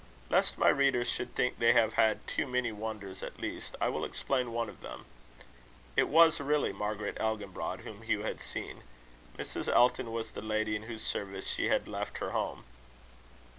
Lest my readers should think they have had too many wonders at least, I will explain one of them. It was really Margaret Elginbrod whom Hugh had seen. Mrs. Elton was the lady in whose service she had left her home.